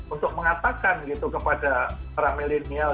untuk mengatakan gitu kepada para milenial